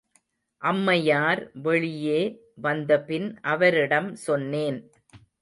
அம்மையார் வெளியே வந்தபின் அவரிடம் சொன்னேன்.